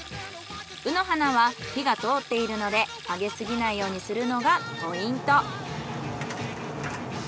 卯の花は火が通っているので揚げすぎないようにするのがポイント。